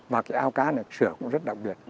và cái ao cá này sửa cũng rất đặc biệt